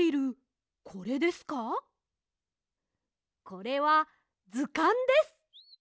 これはずかんです。